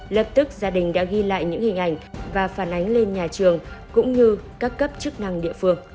lập tức gia đình đã ghi lại những hình ảnh và phản ánh lên nhà trường cũng như các cấp chức năng địa phương